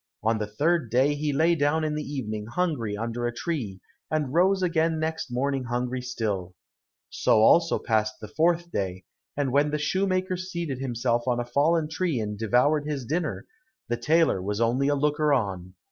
On the third day he lay down in the evening hungry under a tree, and rose again next morning hungry still; so also passed the fourth day, and when the shoemaker seated himself on a fallen tree and devoured his dinner, the tailor was only a looker on.